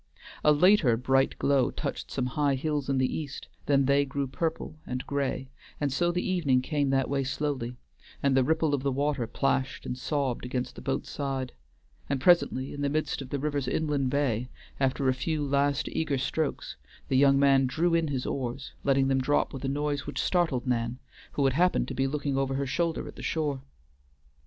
A later bright glow touched some high hills in the east, then they grew purple and gray, and so the evening came that way slowly, and the ripple of the water plashed and sobbed against the boat's side; and presently in the midst of the river's inland bay, after a few last eager strokes, the young man drew in his oars, letting them drop with a noise which startled Nan, who had happened to be looking over her shoulder at the shore.